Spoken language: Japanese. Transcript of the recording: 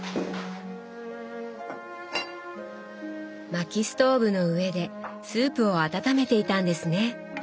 薪ストーブの上でスープを温めていたんですね。